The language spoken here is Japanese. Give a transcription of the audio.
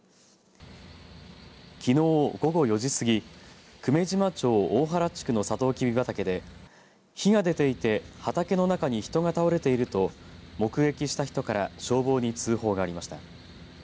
きのう午後４時過ぎ久米島町大原地区のサトウキビ畑で火が出ていて畑の中に人が倒れていると目撃した人から消防に通報がありました。